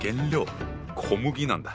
小麦なんだ。